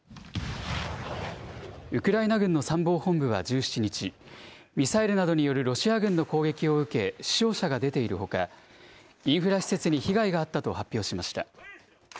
ウクライナ軍の参謀本部は１７日、ミサイルなどによるロシア軍の攻撃を受け、死傷者が出ているほか、インフラ施設に被害があったと発表しました。